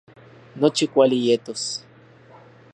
Nochi kuali yetos